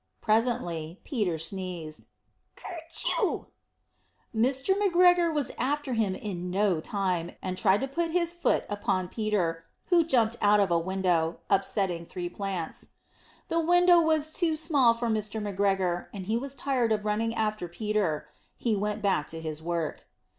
Presently Peter sneezed "Kertyschoo!" Mr. McGregor was after him in no time, and tried to put his foot upon Peter, who jumped out of a window, upsetting three plants. The window was too small for Mr. McGregor, and he was tired of running after Peter. He went back to his work.